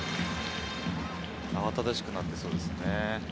慌ただしくなってそうですね。